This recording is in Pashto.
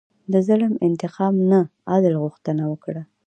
د ظلم انتقام نه، عدل غوښتنه وکړه.